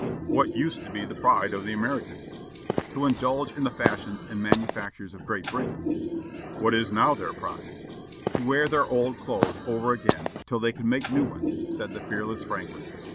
"What used to be the pride of the Americans?" "To indulge in the fashions and manufactures of Great Britain." "What is now their pride?" "To wear their old clothes over again, till they can make new ones," said the fearless Franklin.